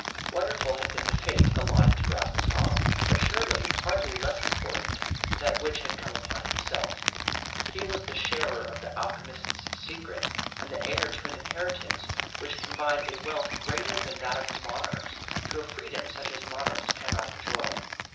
Wonderful had been the fate allotted to Raffles Haw, but surely hardly less important that which had come upon himself. He was the sharer of the alchemist's secret, and the heir to an inheritance which combined a wealth greater than that of monarchs, to a freedom such as monarchs cannot enjoy.